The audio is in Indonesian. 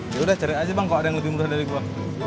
yaudah cari aja bang kalau ada yang lebih mudah dari gue